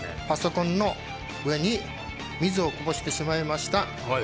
パソコンの上に水をこぼしてしまいました。